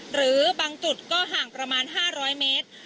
หรือบางจุดก็ห่างประมาณ๕๐๐เมตร